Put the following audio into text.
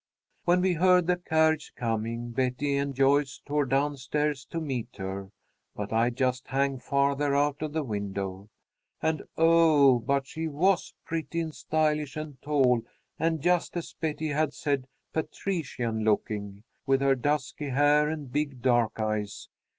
"When we heard the carriage coming, Betty and Joyce tore down stairs to meet her, but I just hung farther out of the window. And, oh, but she was pretty and stylish and tall and just as Betty had said, patrician looking, with her dusky hair and big dark eyes.